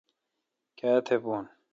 کیا تہ بون،،؟